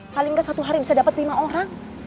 paling gak satu hari bisa dapet lima orang